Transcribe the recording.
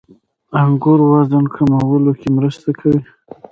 • انګور وزن کمولو کې مرسته کوي.